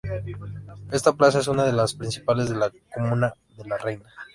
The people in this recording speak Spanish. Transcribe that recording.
Esta plaza es una de las principales de la comuna de La Reina.